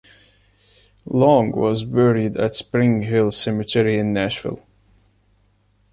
Long was buried at Spring Hill Cemetery in Nashville.